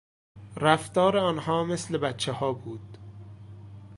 رفتار آنها مثل بچهها بود.